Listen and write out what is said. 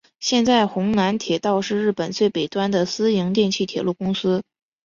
现在弘南铁道是日本最北端的私营电气铁路公司。